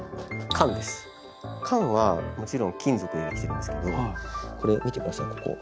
缶はもちろん金属でできてるんですけどこれ見て下さいここ。